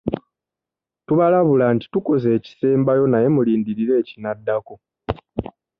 Tubalabula nti tukoze ekisembayo naye mulindirire ekinaddako.